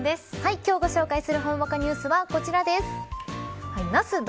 今日ご紹介するほんわかニュースはこちらです。